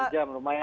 tujuh jam lumayan